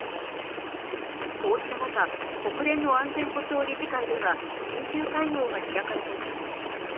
こうした中、国連の安全保障理事会では緊急会合が開かれています。